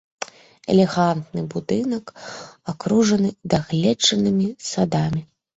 Элегантны будынак акружаны дагледжанымі садамі.